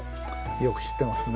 よく知ってますね。